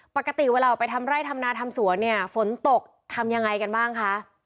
ปกติเวลาออกไปทำไร่ทำนาทำสวนเนี่ยฝนตกทำยังไงกันบ้างคะ